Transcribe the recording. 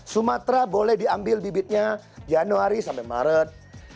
sumatera boleh diambil bibitnya januari sampai maret